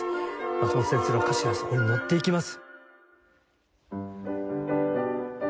松本先生の歌詞がそこにのっていきます。